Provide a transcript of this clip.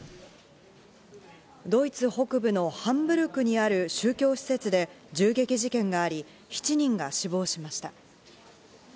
ドイツ北部のハンブルクにある宗教施設で銃撃事件があり、７人が死亡しました。